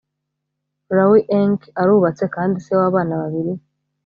larry ewing arubatse kandi se wabana babiri